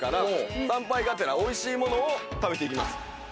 参拝がてら、おいしいものを食べていきます。